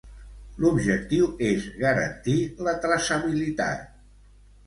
L'objectiu és "garantir la traçabilitat".